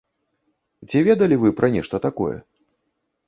Ці ведалі вы пра нешта такое?